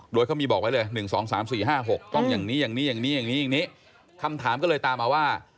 โดยเขามีบอกไว้เลย๑๒๓๔๕๖ต้องอย่างนี้คำถามก็เลยตามมาว่า